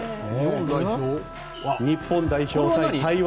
日本代表対台湾。